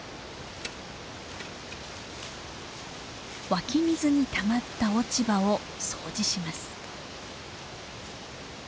湧き水にたまった落ち葉を掃除します。